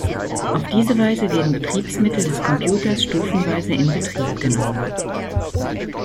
Auf diese Weise werden Betriebsmittel des Computers stufenweise in Betrieb genommen.